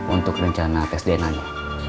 untuk rencana tes dna nya